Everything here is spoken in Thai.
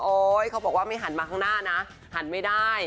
เขาบอกว่าไม่หันมาข้างหน้านะหันไม่ได้